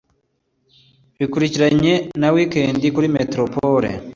Bikurikiranye na wikendi kuri Metropole